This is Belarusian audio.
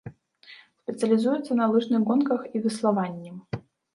Спецыялізуецца на лыжных гонках і веславанні.